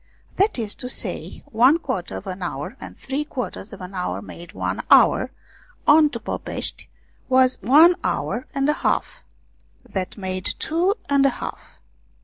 That is to say, one quarter of an hour and three quarters of an hour made one hour, on to Popeshti was one hour and a half, that made two and a half.